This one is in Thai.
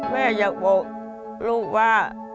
แม่อยากบอกลูกว่า